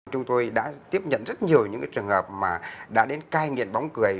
chúng tôi đã tiếp nhận rất nhiều những trường hợp mà đã đến cai nghiện bóng cười